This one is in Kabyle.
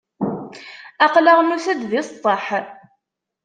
Aql-aɣ nusa-d di ṣṣḍeḥ.